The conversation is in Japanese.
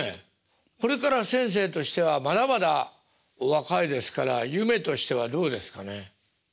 これからは先生としてはまだまだお若いですから夢としてはどうですかね。